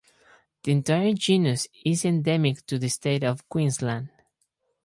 The entire genus is endemic to the State of Queensland.